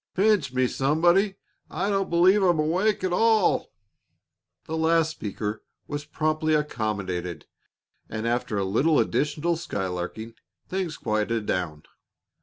"Pinch me, somebody; I don't believe I'm awake at all!" The last speaker was promptly accommodated, and after a little additional skylarking, things quieted down.